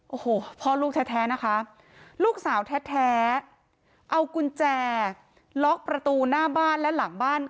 โอ้โหพ่อลูกแท้นะคะลูกสาวแท้เอากุญแจล็อกประตูหน้าบ้านและหลังบ้าน